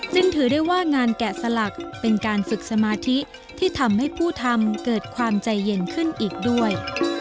จึงถือได้ว่างานแกะสลักเป็นการฝึกสมาธิที่ทำให้ผู้ทำเกิดความใจเย็นขึ้นอีกด้วย